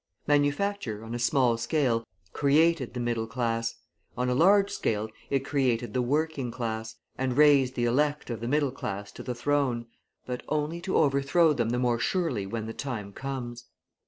Manufacture, on a small scale, created the middle class; on a large scale, it created the working class, and raised the elect of the middle class to the throne, but only to overthrow them the more surely when the time comes.